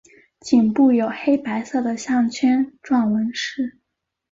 颈部有黑白色的项圈状纹饰。